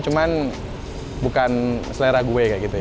cuman bukan selera gue kayak gitu ya